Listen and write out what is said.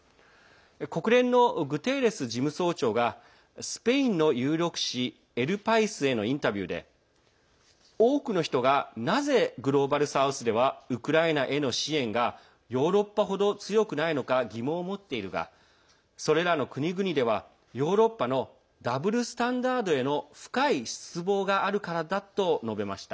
国連のグテーレス事務総長がスペインの有力紙エル・パイスへのインタビューで多くの人がなぜグローバル・サウスではウクライナへの支援がヨーロッパほど強くないのか疑問を持っているがそれらの国々ではヨーロッパのダブルスタンダードへの深い失望があるからだと述べました。